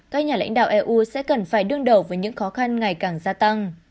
các nhà lãnh đạo eu sẽ cần phải đương đầu với những khó khăn ngày càng gia tăng